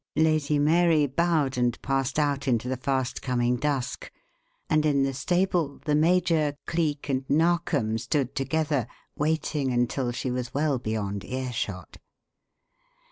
Lady Mary bowed and passed out into the fast coming dusk; and, in the stable the major, Cleek and Narkom stood together, waiting until she was well beyond earshot.